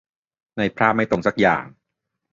ในภาพไม่ตรงสักอย่าง